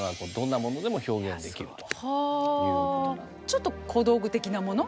ちょっと小道具的なもの